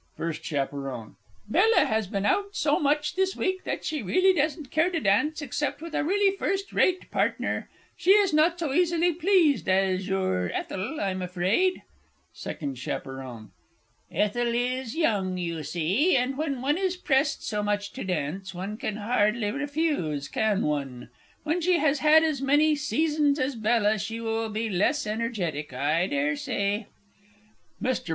FIRST CH. Bella has been out so much this week, that she doesn't care to dance except with a really first rate partner. She is not so easily pleased as your Ethel, I'm afraid. SECOND CH. Ethel is young, you see, and, when one is pressed so much to dance, one can hardly refuse, can one? When she has had as many seasons as BELLA, she will be less energetic, I dare say. [MR.